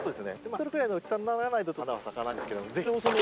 ３ｍぐらいの大きさにならないと花は咲かないんですけど是非挑戦して。